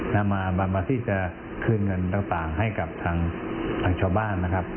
นำมาบันบาทที่จะคืนเงินต่างให้กับทางชาวบ้าน